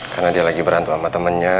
karena dia lagi berantuan sama temennya